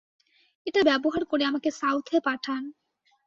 এটা ব্যবহার করে আমাকে সাউথে পাঠান।